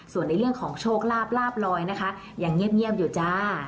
ส่วนในเรื่องของโชคลาบลาบลอยนะคะยังเงียบอยู่จ้า